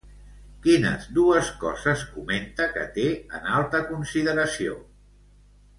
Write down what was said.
Quines dues coses comenta que té en alta consideració?